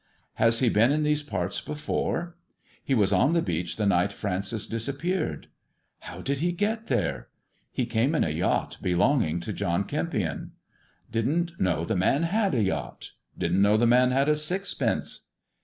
" Has he been in these parts before 1 "" He was on the beach the night Francis disappeared." " How did he get there 1 "" He came in a yacht belonging to John Kempion." " Didn't know the man had a yacht ! Didn't know the man had a sixpence."